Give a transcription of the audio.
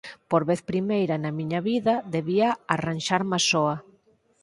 Por vez primeira na miña vida, debía arranxarmas soa.